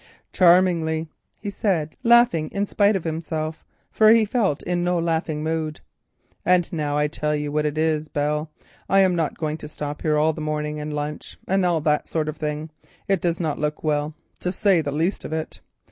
"Charmingly," he said, laughing in spite of himself, for he felt in no laughing mood, "and now I tell you what it is, Belle, I am not going to stop here all the morning, and lunch, and that sort of thing. It does not look well, to say the least of it.